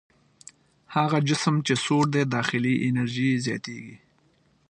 هغه جسم چې سوړ دی داخلي انرژي یې زیاتیږي.